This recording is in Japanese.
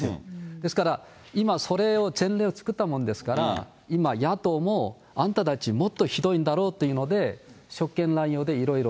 ですから、今、それの前例を作ったものですから、今、野党もあんたたち、もっとひどいんだろうっていうので、職権乱用でいろいろ。